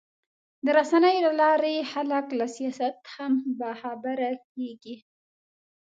د رسنیو له لارې خلک له سیاست هم باخبره کېږي.